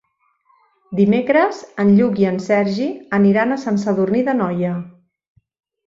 Dimecres en Lluc i en Sergi aniran a Sant Sadurní d'Anoia.